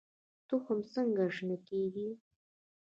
تخم څنګه شنه کیږي؟